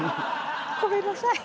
ごめんなさい。